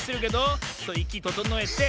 いきととのえて。